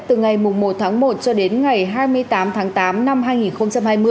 từ ngày một tháng một cho đến ngày hai mươi tám tháng tám năm hai nghìn hai mươi